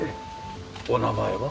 お名前は？